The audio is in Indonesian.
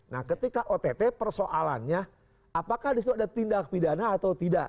nah ketika ott persoalannya apakah di situ ada tindak pidana atau tidak